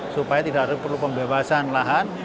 supaya tidak perlu pembebasan lahan